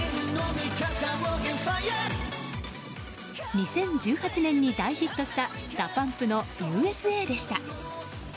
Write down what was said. ２０１８年に大ヒットしたＤＡＰＵＭＰの「Ｕ．Ｓ．Ａ．」でした。